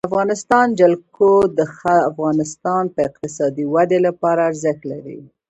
د افغانستان جلکو د افغانستان د اقتصادي ودې لپاره ارزښت لري.